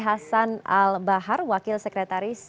hasan al bahar wakil sekretaris